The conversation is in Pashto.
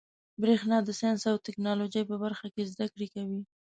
برېښنا د ساینس او ټيکنالوجۍ په برخه کي زده کړي کوي.